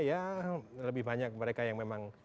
ya lebih banyak mereka yang memang